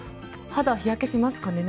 肌は日焼けしますかね